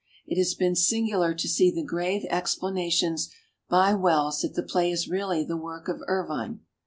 It has been singular to see the grave explanations by Wells that the play is really the work of Ervine.